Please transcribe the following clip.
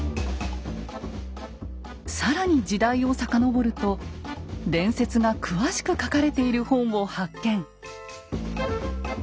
更に時代をさかのぼると伝説が詳しく書かれている本を発見！